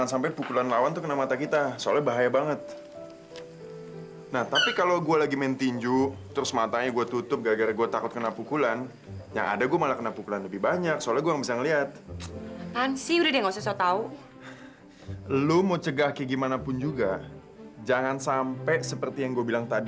sampai jumpa di video selanjutnya